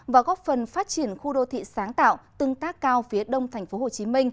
và góp phần phát triển khu đô thị sáng tạo tương tác cao phía đông tp hcm